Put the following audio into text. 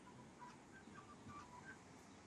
যিনি আমাকে শান্ত জলের পাশে নিয়ে গেছেন!